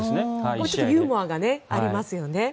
ちょっとユーモアがありますよね。